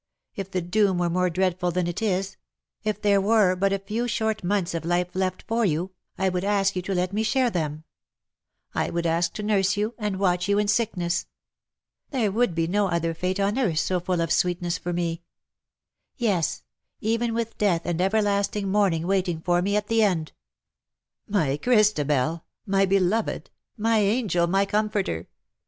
If the doom were more dreadful than it is — if there were but a few short months of life left for you^ I would ask you to let me share them; I would ask to nurse you and watch you in sickness. There would be no other fate on earth so full of sweetness for me. Yes_, even with death and ever lasting mourning waiting for me at the end.'''' " My Christabel, my beloved ! my angel, my com forter